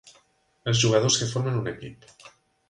Els jugadors que formen un equip.